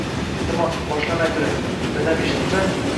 Iltimos, boshlamay turing, dadam eshitsa…